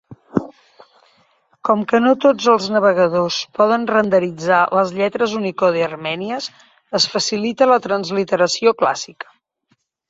Com que no tots els navegadors poden renderitzar les lletres Unicode armènies, es facilita la transliteració clàssica.